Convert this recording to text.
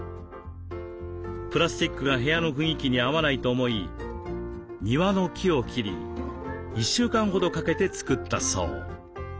プラスチックが部屋の雰囲気に合わないと思い庭の木を切り１週間ほどかけて作ったそう。